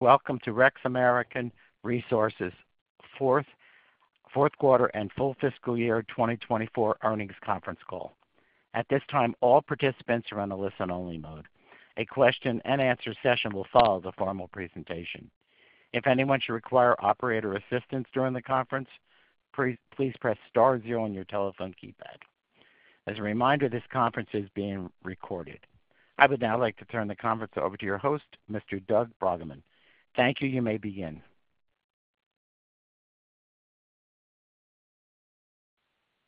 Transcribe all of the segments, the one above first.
Welcome to REX American Resources Fourth Quarter and Full Fiscal Year 2024 Earnings Conference Call. At this time, all participants are on a listen-only mode. A question-and-answer session will follow the formal presentation. If anyone should require operator assistance during the conference, please press star zero on your telephone keypad. As a reminder, this conference is being recorded. I would now like to turn the conference over to your host, Mr. Doug Bruggeman. Thank you. You may begin.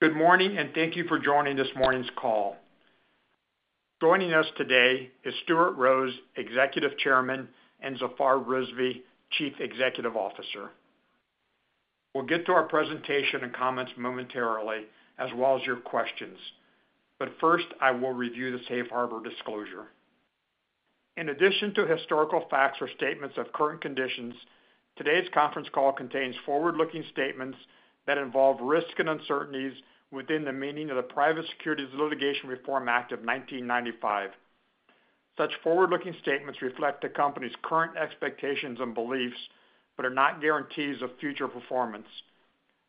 Good morning, and thank you for joining this morning's call. Joining us today is Stuart Rose, Executive Chairman, and Zafar Rizvi, Chief Executive Officer. We'll get to our presentation and comments momentarily, as well as your questions. First, I will review the safe harbor disclosure. In addition to historical facts or statements of current conditions, today's conference call contains forward-looking statements that involve risk and uncertainties within the meaning of the Private Securities Litigation Reform Act of 1995. Such forward-looking statements reflect the company's current expectations and beliefs but are not guarantees of future performance.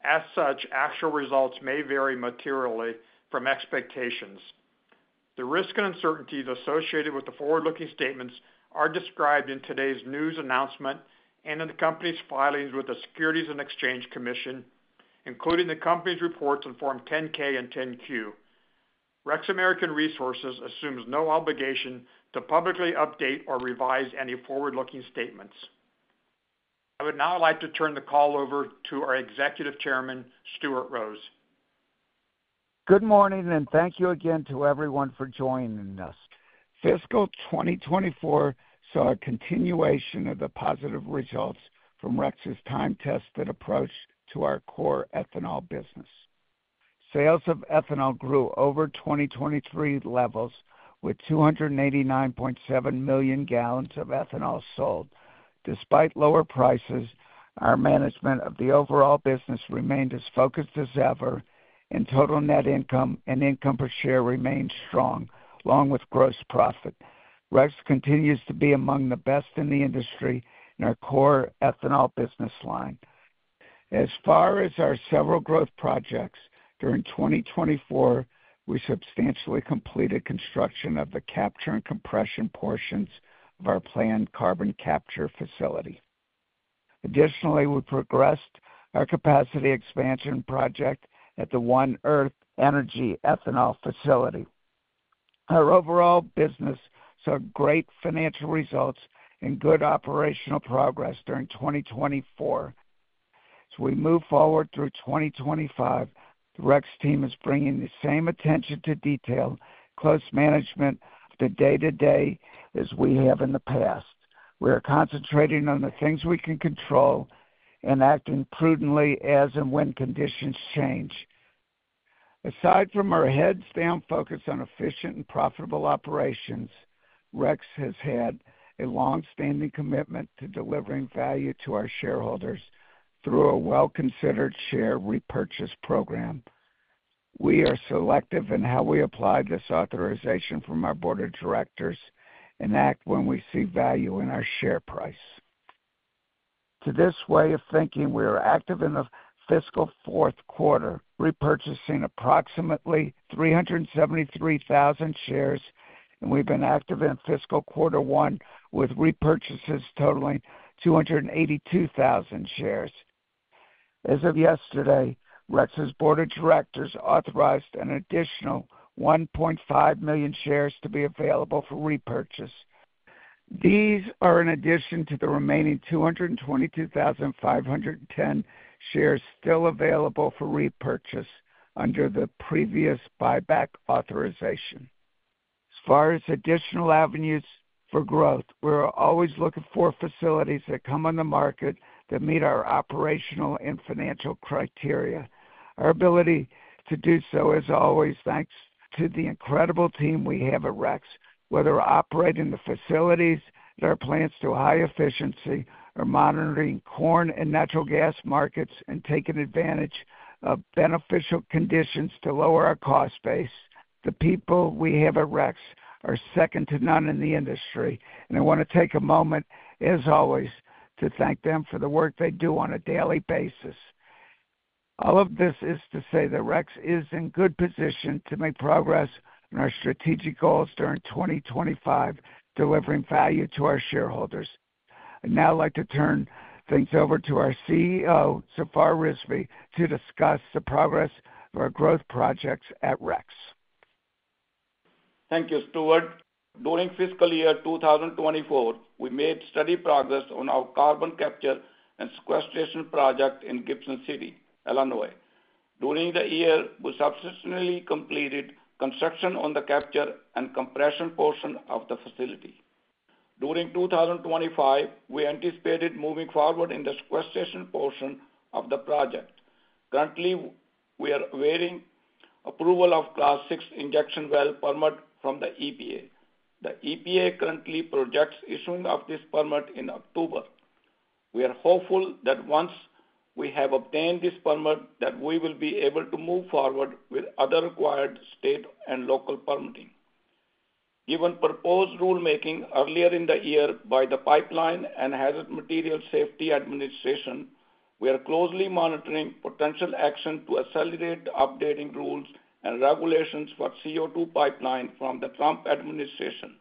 As such, actual results may vary materially from expectations. The risk and uncertainties associated with the forward-looking statements are described in today's news announcement and in the company's filings with the Securities and Exchange Commission, including the company's reports in Form 10-K and 10-Q. REX American Resources assumes no obligation to publicly update or revise any forward-looking statements. I would now like to turn the call over to our Executive Chairman, Stuart Rose. Good morning, and thank you again to everyone for joining us. Fiscal 2024 saw a continuation of the positive results from REX's time-tested approach to our core ethanol business. Sales of ethanol grew over 2023 levels with 289.7 million gallons of ethanol sold. Despite lower prices, our management of the overall business remained as focused as ever, and total net income and income per share remained strong, along with gross profit. REX continues to be among the best in the industry in our core ethanol business line. As far as our several growth projects, during 2024, we substantially completed construction of the capture and compression portions of our planned carbon capture facility. Additionally, we progressed our capacity expansion project at the One Earth Energy ethanol facility. Our overall business saw great financial results and good operational progress during 2024. As we move forward through 2025, the REX team is bringing the same attention to detail, close management, the day-to-day as we have in the past. We are concentrating on the things we can control and acting prudently as and when conditions change. Aside from our steadfast focus on efficient and profitable operations, REX has had a long-standing commitment to delivering value to our shareholders through a well-considered share repurchase program. We are selective in how we apply this authorization from our board of directors and act when we see value in our share price. To this way of thinking, we are active in the fiscal fourth quarter, repurchasing approximately 373,000 shares, and we've been active in fiscal quarter one with repurchases totaling 282,000 shares. As of yesterday, REX's board of directors authorized an additional 1.5 million shares to be available for repurchase. These are in addition to the remaining 222,510 shares still available for repurchase under the previous buyback authorization. As far as additional avenues for growth, we are always looking for facilities that come on the market that meet our operational and financial criteria. Our ability to do so is always thanks to the incredible team we have at REX, whether operating the facilities that are planned to high efficiency or monitoring corn and natural gas markets and taking advantage of beneficial conditions to lower our cost base. The people we have at REX are second to none in the industry, and I want to take a moment, as always, to thank them for the work they do on a daily basis. All of this is to say that REX is in good position to make progress in our strategic goals during 2025, delivering value to our shareholders. I'd now like to turn things over to our CEO, Zafar Rizvi, to discuss the progress of our growth projects at REX. Thank you, Stuart. During fiscal year 2024, we made steady progress on our carbon capture and sequestration project in Gibson City, Illinois. During the year, we substantially completed construction on the capture and compression portion of the facility. During 2025, we anticipated moving forward in the sequestration portion of the project. Currently, we are awaiting approval of Class VI injection well permit from the EPA. The EPA currently projects issuing of this permit in October. We are hopeful that once we have obtained this permit, we will be able to move forward with other required state and local permitting. Given proposed rulemaking earlier in the year by the Pipeline and Hazardous Materials Safety Administration, we are closely monitoring potential action to accelerate updating rules and regulations for CO2 pipeline from the Trump administration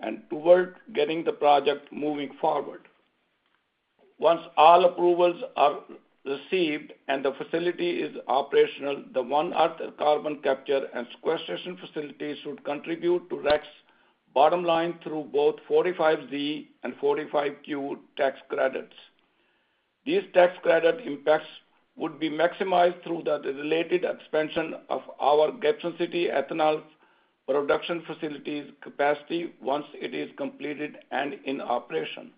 and toward getting the project moving forward. Once all approvals are received and the facility is operational, the One Earth carbon capture and sequestration facility should contribute to REX's bottom line through both 45Z and 45Q tax credits. These tax credit impacts would be maximized through the related expansion of our Gibson City ethanol production facility's capacity once it is completed and in operation.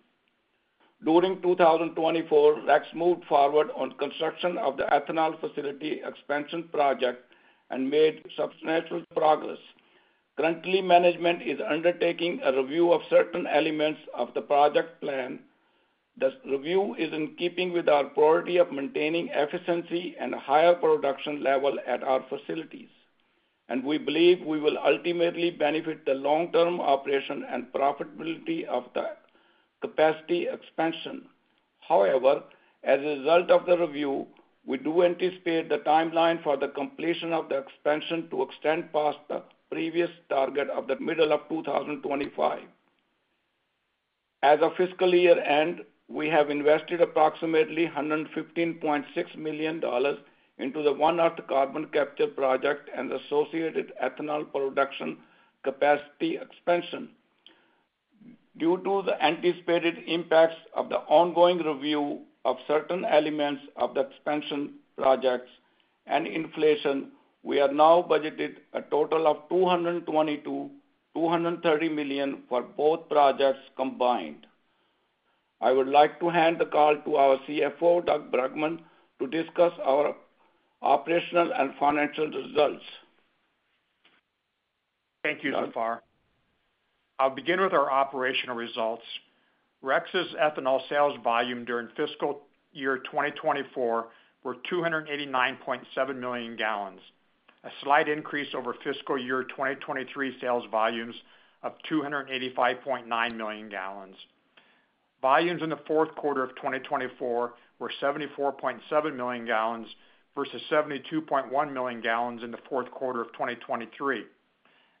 During 2024, REX moved forward on construction of the ethanol facility expansion project and made substantial progress. Currently, management is undertaking a review of certain elements of the project plan. The review is in keeping with our priority of maintaining efficiency and a higher production level at our facilities, and we believe we will ultimately benefit the long-term operation and profitability of the capacity expansion. However, as a result of the review, we do anticipate the timeline for the completion of the expansion to extend past the previous target of the middle of 2025. As the fiscal year ends, we have invested approximately $115.6 million into the One Earth Carbon Capture project and the associated ethanol production capacity expansion. Due to the anticipated impacts of the ongoing review of certain elements of the expansion projects and inflation, we have now budgeted a total of $220 million to $230 million for both projects combined. I would like to hand the call to our CFO, Doug Bruggeman, to discuss our operational and financial results. Thank you, Zafar. I'll begin with our operational results. REX's ethanol sales volume during fiscal year 2024 were 289.7 million gallons, a slight increase over fiscal year 2023 sales volumes of 285.9 million gallons. Volumes in the fourth quarter of 2024 were 74.7 million gallons versus 72.1 million gallons in the fourth quarter of 2023.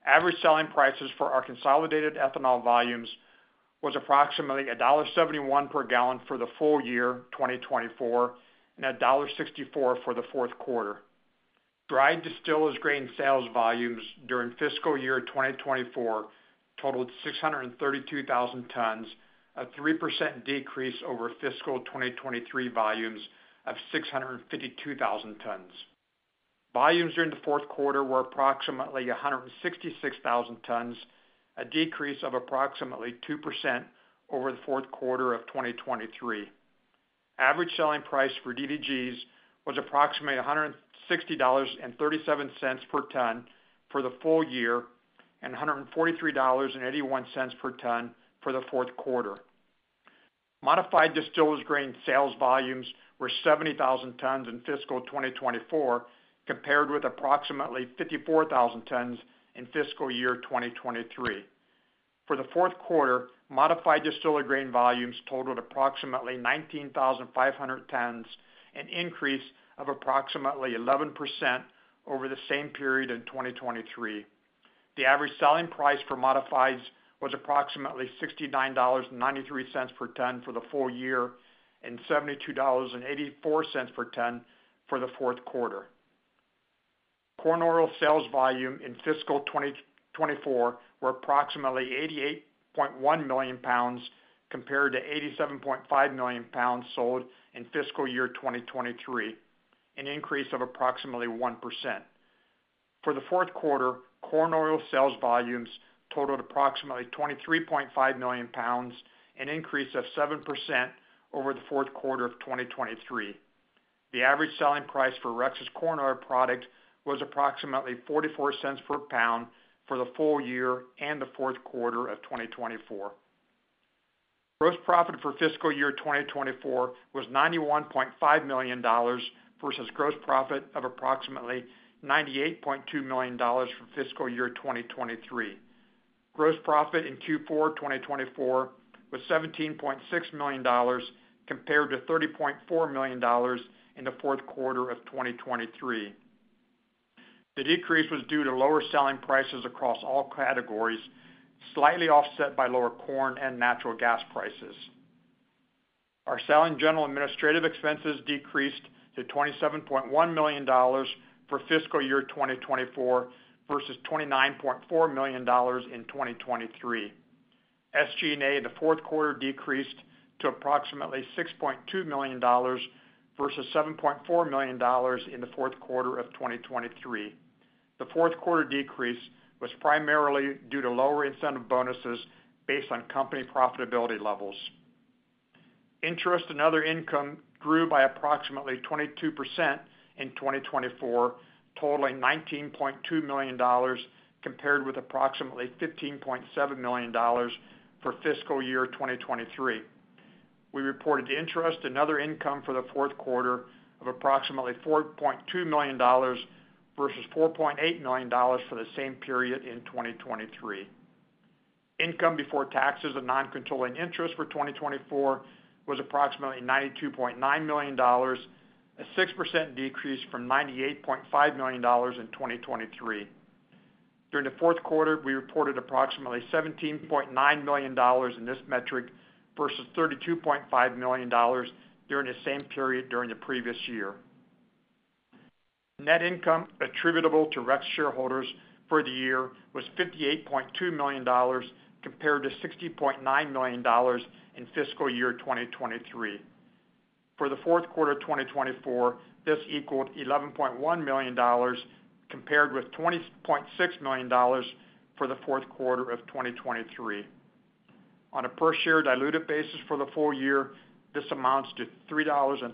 Average selling prices for our consolidated ethanol volumes were approximately $1.71 per gallon for the full year 2024 and $1.64 for the fourth quarter. Dried distillers grain sales volumes during fiscal year 2024 totaled 632,000 tons, a 3% decrease over fiscal 2023 volumes of 652,000 tons. Volumes during the fourth quarter were approximately 166,000 tons, a decrease of approximately 2% over the fourth quarter of 2023. Average selling price for DDGs was approximately $160.37 per ton for the full year and $143.81 per ton for the fourth quarter. Modified distillers grain sales volumes were 70,000 tons in fiscal 2024, compared with approximately 54,000 tons in fiscal year 2023. For the fourth quarter, modified distillers grain volumes totaled approximately 19,500 tons, an increase of approximately 11% over the same period in 2023. The average selling price for modifieds was approximately $69.93 per ton for the full year and $72.84 per ton for the fourth quarter. Corn oil sales volume in fiscal 2024 were approximately 88.1 million pounds, compared to 87.5 million pounds sold in fiscal year 2023, an increase of approximately 1%. For the fourth quarter, corn oil sales volumes totaled approximately 23.5 million pounds, an increase of 7% over the fourth quarter of 2023. The average selling price for REX's corn oil product was approximately $0.44 per pound for the full year and the fourth quarter of 2024. Gross profit for fiscal year 2024 was $91.5 million versus gross profit of approximately $98.2 million for fiscal year 2023. Gross profit in Q4 2024 was $17.6 million, compared to $30.4 million in the fourth quarter of 2023. The decrease was due to lower selling prices across all categories, slightly offset by lower corn and natural gas prices. Our selling general administrative expenses decreased to $27.1 million for fiscal year 2024 versus $29.4 million in 2023. SG&A in the fourth quarter decreased to approximately $6.2 million versus $7.4 million in the fourth quarter of 2023. The fourth quarter decrease was primarily due to lower incentive bonuses based on company profitability levels. Interest and other income grew by approximately 22% in 2024, totaling $19.2 million, compared with approximately $15.7 million for fiscal year 2023. We reported interest and other income for the fourth quarter of approximately $4.2 million versus $4.8 million for the same period in 2023. Income before taxes and non-controlling interest for 2024 was approximately $92.9 million, a 6% decrease from $98.5 million in 2023. During the fourth quarter, we reported approximately $17.9 million in this metric versus $32.5 million during the same period during the previous year. Net income attributable to REX shareholders for the year was $58.2 million, compared to $60.9 million in fiscal year 2023. For the fourth quarter of 2024, this equaled $11.1 million, compared with $20.6 million for the fourth quarter of 2023. On a per-share diluted basis for the full year, this amounts to $3.30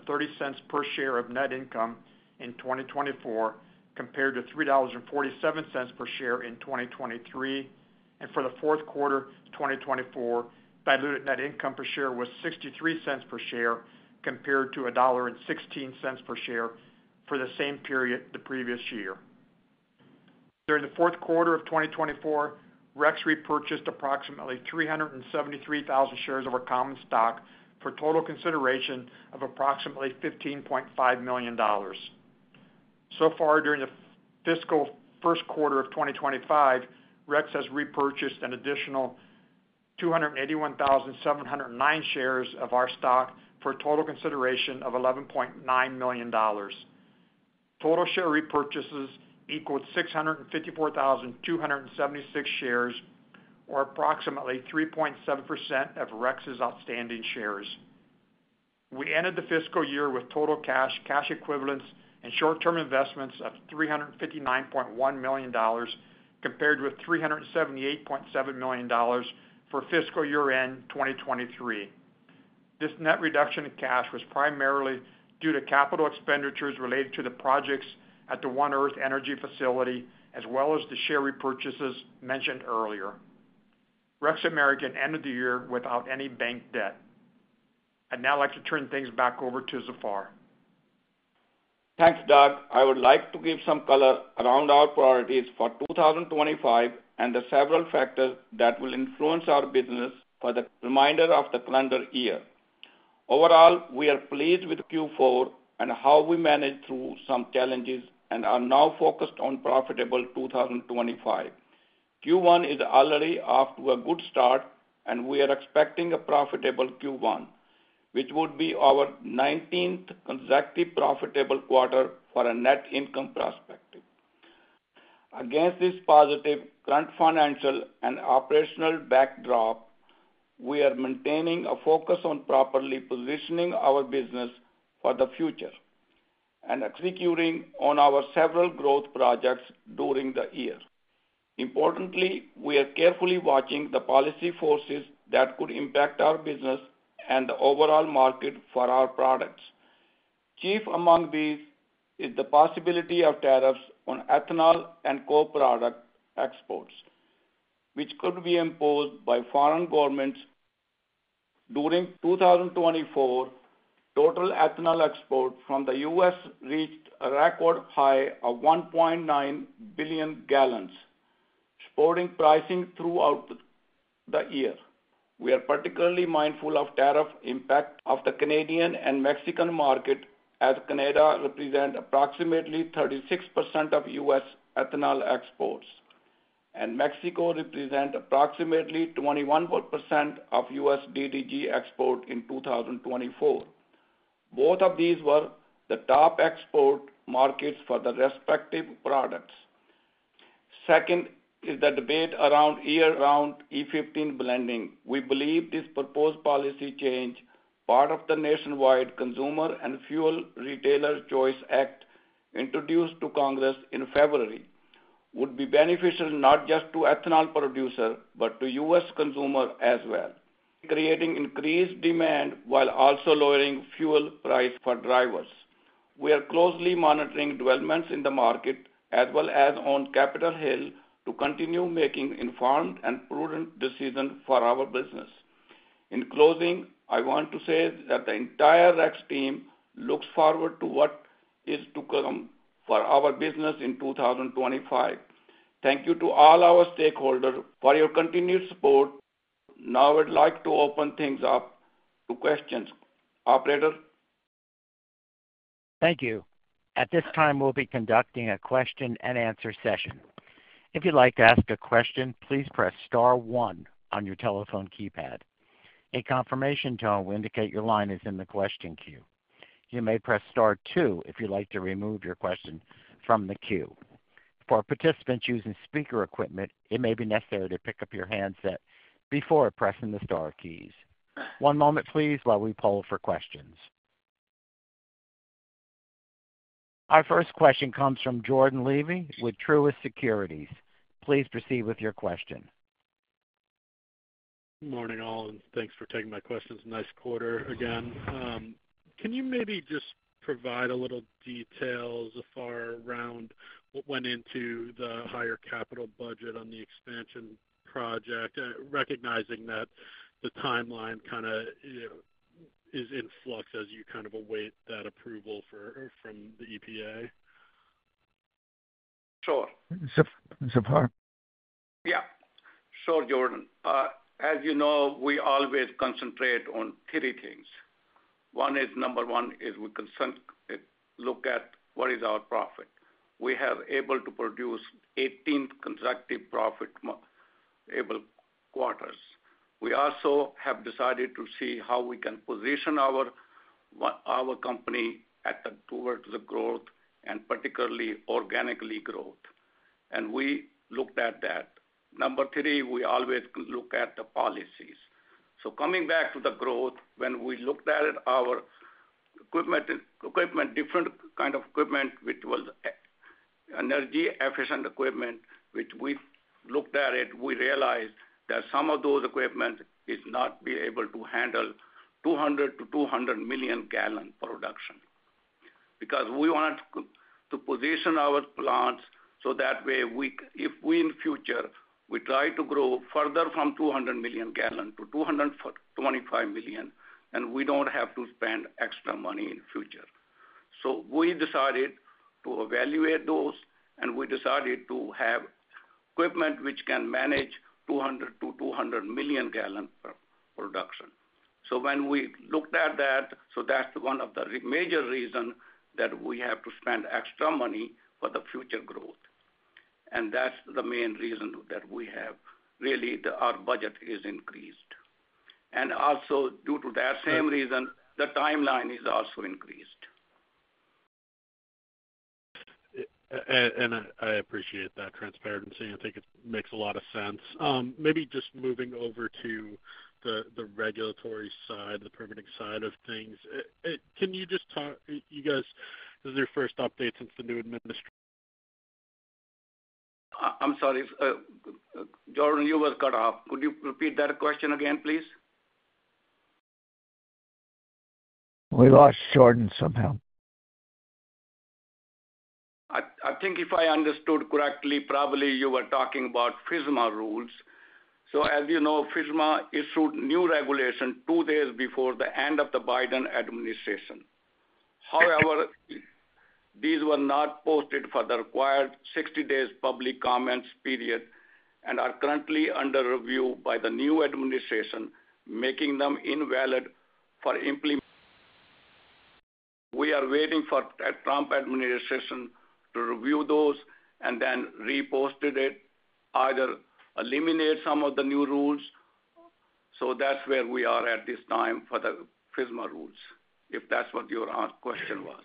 per share of net income in 2024, compared to $3.47 per share in 2023. For the fourth quarter 2024, diluted net income per share was $0.63 per share, compared to $1.16 per share for the same period the previous year. During the fourth quarter of 2024, REX repurchased approximately 373,000 shares of our common stock for total consideration of approximately $15.5 million. During the fiscal first quarter of 2025, REX has repurchased an additional 281,709 shares of our stock for a total consideration of $11.9 million. Total share repurchases equaled 654,276 shares, or approximately 3.7% of REX's outstanding shares. We ended the fiscal year with total cash, cash equivalents, and short-term investments of $359.1 million, compared with $378.7 million for fiscal year-end 2023. This net reduction in cash was primarily due to capital expenditures related to the projects at the One Earth Energy facility, as well as the share repurchases mentioned earlier. REX American ended the year without any bank debt. I'd now like to turn things back over to Zafar. Thanks, Doug. I would like to give some color around our priorities for 2025 and the several factors that will influence our business for the remainder of the calendar year. Overall, we are pleased with Q4 and how we managed through some challenges and are now focused on a profitable 2025. Q1 is already off to a good start, and we are expecting a profitable Q1, which would be our 19th consecutive profitable quarter from a net income perspective. Against this positive current financial and operational backdrop, we are maintaining a focus on properly positioning our business for the future and executing on our several growth projects during the year. Importantly, we are carefully watching the policy forces that could impact our business and the overall market for our products. Chief among these is the possibility of tariffs on ethanol and co-product exports, which could be imposed by foreign governments. During 2024, total ethanol exports from the U.S. reached a record high of 1.9 billion gallons, supporting pricing throughout the year. We are particularly mindful of the tariff impact on the Canadian and Mexican market, as Canada represents approximately 36% of U.S. ethanol exports and Mexico represents approximately 21% of U.S. DDG exports in 2024. Both of these were the top export markets for the respective products. Second is the debate around year-round E15 blending. We believe this proposed policy change, part of the nationwide Consumer and Fuel Retailer Choice Act introduced to Congress in February, would be beneficial not just to ethanol producers, but to U.S. consumers as well, creating increased demand while also lowering fuel prices for drivers. We are closely monitoring developments in the market, as well as on Capitol Hill, to continue making informed and prudent decisions for our business. In closing, I want to say that the entire REX team looks forward to what is to come for our business in 2025. Thank you to all our stakeholders for your continued support. Now I would like to open things up to questions. Operator. Thank you. At this time, we'll be conducting a question-and-answer session. If you'd like to ask a question, please press Star 1 on your telephone keypad. A confirmation tone will indicate your line is in the question queue. You may press Star 2 if you'd like to remove your question from the queue. For participants using speaker equipment, it may be necessary to pick up your handset before pressing the Star keys. One moment, please, while we poll for questions. Our first question comes from Jordan Levy with Truist Securities. Please proceed with your question. Good morning, all, and thanks for taking my questions. Nice quarter again. Can you maybe just provide a little detail, Zafar, around what went into the higher capital budget on the expansion project, recognizing that the timeline kind of is in flux as you kind of await that approval from the EPA? Sure. Zafar? Yeah. Sure, Jordan. As you know, we always concentrate on three things. Number one is we look at what is our profit. We have been able to produce 18 consecutive profitable quarters. We also have decided to see how we can position our company towards the growth and particularly organically growth. We looked at that. Number three, we always look at the policies. Coming back to the growth, when we looked at our equipment, different kinds of equipment, which was energy-efficient equipment, which we looked at, we realized that some of those equipment did not be able to handle 200 to 225 million gallon production. Because we wanted to position our plants so that way, if we in the future, we try to grow further from 200 million gallon to 225 million, then we don't have to spend extra money in the future. We decided to evaluate those, and we decided to have equipment which can manage 200 to 200 million gallon production. When we looked at that, that's one of the major reasons that we have to spend extra money for the future growth. That's the main reason that our budget is increased. Also, due to that same reason, the timeline is also increased. I appreciate that transparency. I think it makes a lot of sense. Maybe just moving over to the regulatory side, the permitting side of things. Can you just talk? You guys, is this your first update since the new administration? I'm sorry, Jordan, you were cut off. Could you repeat that question again, please? We lost Jordan somehow. I think if I understood correctly, probably you were talking about PHMSA rules. As you know, PHMSA issued new regulations two days before the end of the Biden administration. However, these were not posted for the required 60-day public comments period and are currently under review by the new administration, making them invalid for implementation. We are waiting for the Trump administration to review those and then reposted it, either eliminate some of the new rules. That is where we are at this time for the PHMSA rules, if that is what your question was.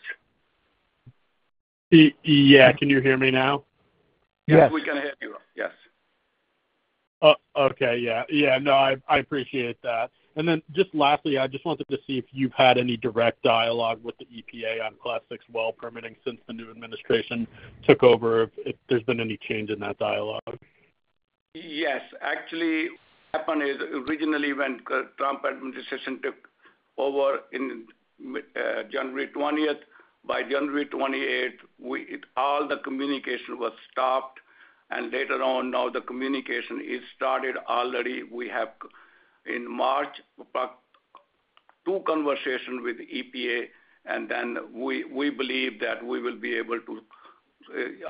Yeah. Can you hear me now? Yes. We can hear you. Yes. Okay. Yeah. Yeah. No, I appreciate that. Lastly, I just wanted to see if you've had any direct dialogue with the EPA on Class VI well permitting since the new administration took over, if there's been any change in that dialogue. Yes. Actually, what happened is originally when the Trump administration took over in January 20, by January 28, all the communication was stopped. Later on, now the communication is started already. We have, in March, two conversations with the EPA, and then we believe that we will be able to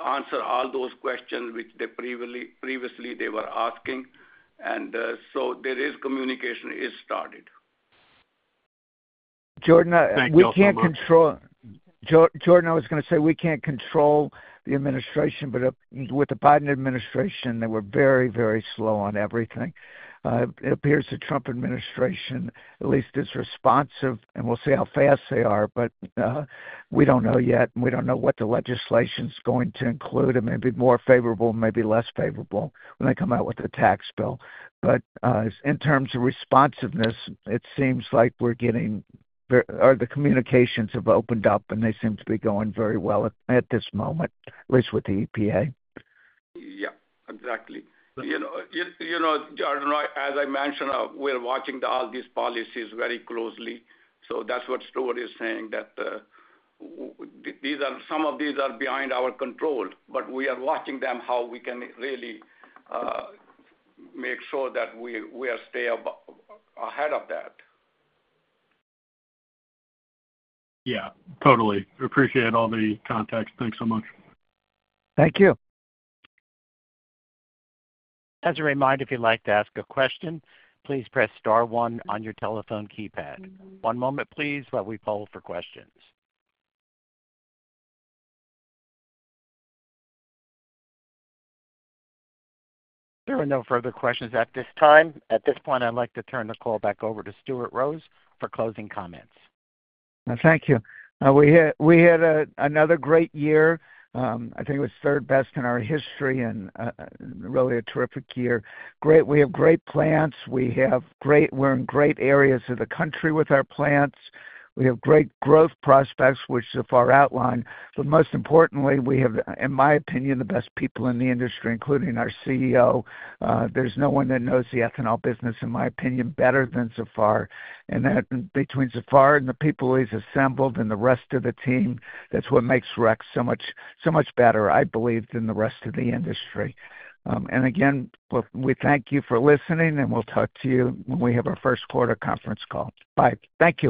answer all those questions which previously they were asking. There is communication is started. Jordan, we can't control. Jordan, I was going to say we can't control the administration, but with the Biden administration, they were very, very slow on everything. It appears the Trump administration, at least, is responsive, and we'll see how fast they are, but we don't know yet. We don't know what the legislation's going to include, and maybe more favorable, maybe less favorable when they come out with the tax bill. In terms of responsiveness, it seems like we're getting or the communications have opened up, and they seem to be going very well at this moment, at least with the EPA. Yeah. Exactly. You know, Jordan, as I mentioned, we're watching all these policies very closely. That is what Stuart is saying, that some of these are behind our control, but we are watching them, how we can really make sure that we stay ahead of that. Yeah. Totally. Appreciate all the context. Thanks so much. Thank you. As a reminder, if you'd like to ask a question, please press Star 1 on your telephone keypad. One moment, please, while we poll for questions. There are no further questions at this time. At this point, I'd like to turn the call back over to Stuart Rose for closing comments. Thank you. We had another great year. I think it was third best in our history and really a terrific year. We have great plants. We're in great areas of the country with our plants. We have great growth prospects, which Zafar outlined. Most importantly, we have, in my opinion, the best people in the industry, including our CEO. There's no one that knows the ethanol business, in my opinion, better than Zafar. Between Zafar and the people he's assembled and the rest of the team, that's what makes REX so much better, I believe, than the rest of the industry. Again, we thank you for listening, and we'll talk to you when we have our first quarter conference call. Bye. Thank you.